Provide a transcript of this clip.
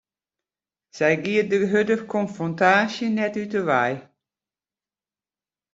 Sy giet de hurde konfrontaasje net út 'e wei.